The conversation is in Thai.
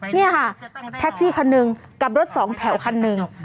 นี่ค่ะแท็กซี่คันหนึ่งกับรถสองแถวคันหนึ่ง